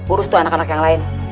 urus tuh anak anak yang lain